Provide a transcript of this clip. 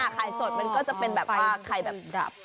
ไข่สดมันก็จะเป็นแบบว่าไข่แบบดับ